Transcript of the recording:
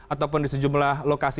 ataupun di sejumlah lokasi